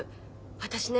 私ね